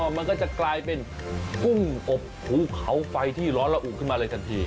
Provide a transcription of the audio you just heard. มันก็จะกลายเป็นกุ้งอบภูเขาไฟที่ร้อนระอุขึ้นมาเลยทันที